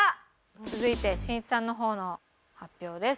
続いてしんいちさんの方の発表です。